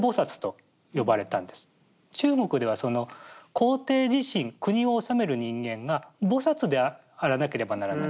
中国ではその皇帝自身国を治める人間が菩であらなければならない。